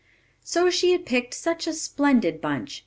So she had picked such a splendid bunch!